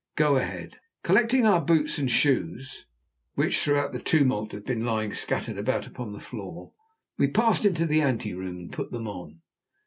Go ahead." Collecting our boots and shoes, which, throughout the tumult, had been lying scattered about upon the floor, we passed into the ante room, and put them on.